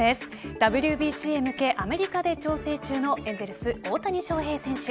ＷＢＣへ向けアメリカで調整中のエンゼルス・大谷翔平選手。